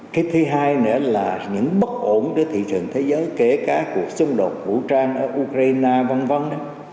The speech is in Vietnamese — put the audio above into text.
cái thứ hai nữa là những bất ổn đối thị trường thế giới kể cả cuộc xung đột vũ trang ở ukraine v v